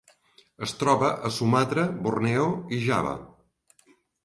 Es troba a Sumatra, Borneo i Java.